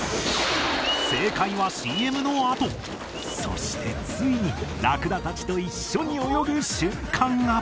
正解はＣＭのあとそしてついにラクダ達と一緒に泳ぐ瞬間が！